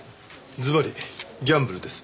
ずばりギャンブルです。